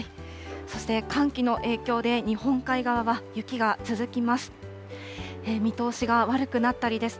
そして、寒気の影響で、日本海側は雪が続きます。